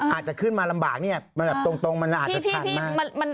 อาจจะขึ้นมาลำบากตรงอาจจะชันมาก